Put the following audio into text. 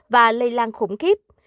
và lây lan khủng khiếp